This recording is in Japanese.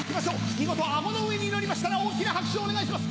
見事顎の上にのりましたら大きな拍手をお願いします。